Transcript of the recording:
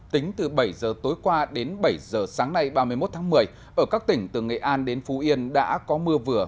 tính từ bảy giờ tối qua đến bảy giờ sáng nay ba mươi một tháng một mươi ở các tỉnh từ nghệ an đến phú yên đã có mưa vừa